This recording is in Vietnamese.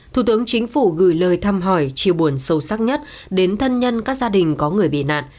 thủ tướng chính phủ gửi lời thăm hỏi chia buồn sâu sắc nhất đến thân nhân các gia đình có người bị nạn